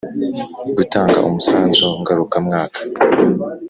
Gutanga umusanzu ngarukamwaka